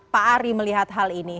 pak ari melihat hal ini